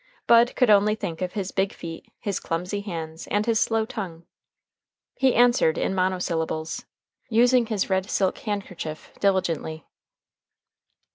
Bud could only think of his big feet, his clumsy hands, and his slow tongue. He answered in monosyllables, using his red silk handkerchief diligently.